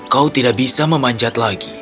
kau tidak bisa memanjat lagi